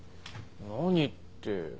何って。